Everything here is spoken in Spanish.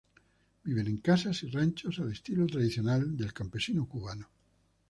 Viven en casas y ranchos al estilo tradicional del campesino cubano.